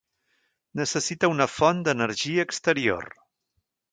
Necessita una font d'energia exterior.